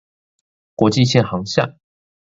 國際線航廈